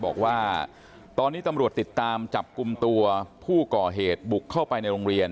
บอกว่าตอนนี้ตำรวจติดตามจับกลุ่มตัวผู้ก่อเหตุบุกเข้าไปในโรงเรียน